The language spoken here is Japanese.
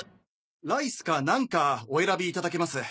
ライスかナンかお選びいただけます。